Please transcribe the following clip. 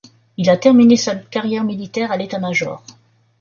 Il a terminé sa carrière militaire à l’État-Major.